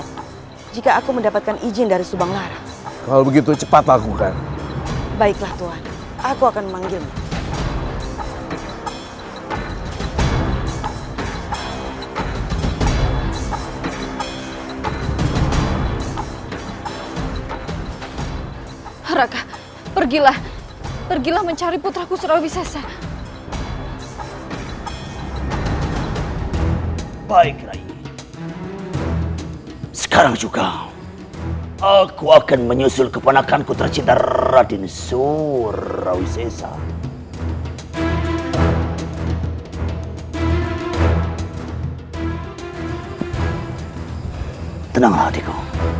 sampai jumpa di video selanjutnya